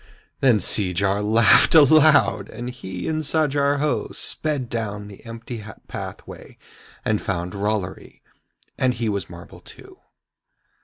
Then Seejar laughed aloud, and he and Sajar Ho sped down the empty pathway and found Rollory, and he was marble too.